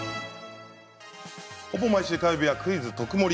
ほぼ毎週火曜日は「クイズとくもり」。